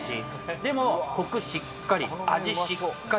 でもコクしっかり味しっかり。